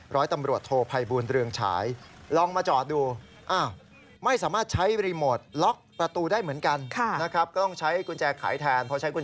ร้อยตำรวจโทรภัยบูรณ์เรืองฉาย